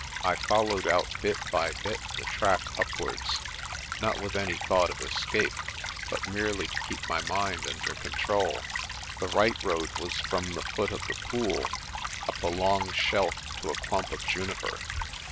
I followed out bit by bit the track upwards, not with any thought of escape but merely to keep my mind under con MORNING IN THE BERG 185 trol. The right road was from the foot of the pool up a long shelf to a clump of juniper.